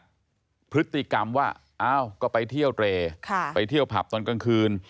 พฤติกรรมว่าอ้าวก็ไปเที่ยวเตรไปเที่ยวผับตอนกลางคืน